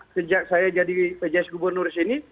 sejak saya jadi pejajar gubernur di sini